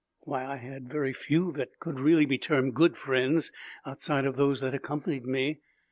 Why, I had very few that could really be termed good friends outside of those that accompanied me.